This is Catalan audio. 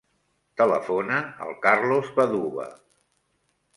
Telefona al Carlos Vaduva.